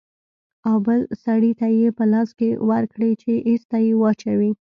او بل سړي ته يې په لاس کښې ورکړې چې ايسته يې واچوي.